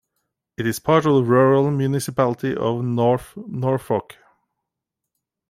It is part of the Rural Municipality of North Norfolk.